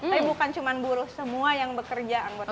tapi bukan cuma buruh semua yang bekerja anggota